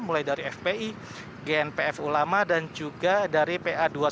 mulai dari fpi gnpf ulama dan juga dari pa dua ratus dua